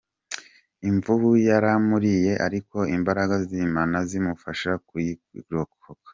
Imvubu yaramuriye ariko imbaraga z'Imana zimufasha kuyirikoka.